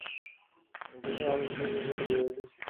তিনি Johns Hopkins বিশ্ববিদ্যালয় এ দুই বছর শিক্ষকতা করেন।